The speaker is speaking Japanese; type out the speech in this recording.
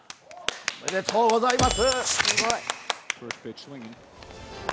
おめでとうございます。